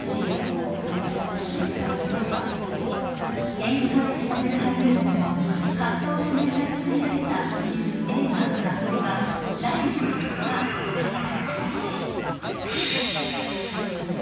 演技派で知られる俳優たちも葛藤しながら作り上げたという映画「渇水」は来月２日公開だ。